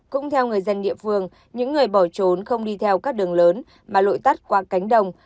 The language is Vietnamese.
cũng theo người dân địa phương những người bỏ trốn không đi theo các đường lớn mà lội tắt qua cánh đồng